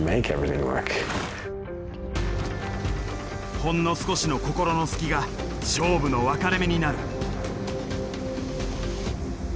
ほんの少しの心の隙が勝負の分かれ目になる。